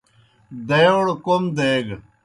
دائیوڑ کوْم دیگہ۔